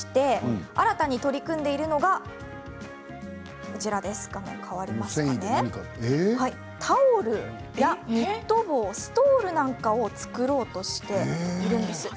新たに取り組んでいるのがタオル、ニット帽、ストールなんかを作ろうとしているんです。